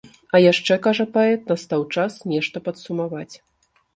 А яшчэ, кажа паэт, настаў час нешта падсумаваць.